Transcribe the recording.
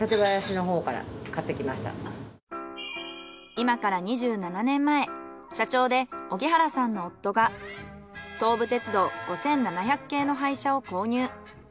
今から２７年前社長で荻原さんの夫が東武鉄道５７００系の廃車を購入。